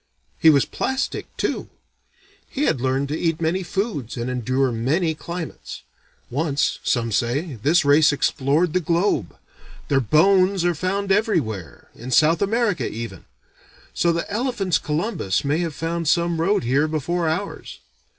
He was plastic, too. He had learned to eat many foods and endure many climates. Once, some say, this race explored the globe. Their bones are found everywhere, in South America even; so the elephants' Columbus may have found some road here before ours.